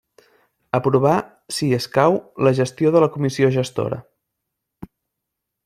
Aprovar, si escau, la gestió de la Comissió Gestora.